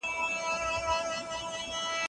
کوم خلیفه د قرآن کریم د یو ځای کولو امر وکړ؟